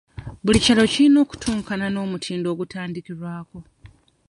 Buli kyalo kirina okutuukana n'omutindo ogutandikirwako.